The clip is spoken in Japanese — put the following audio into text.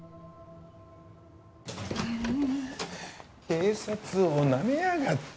警察をなめやがって。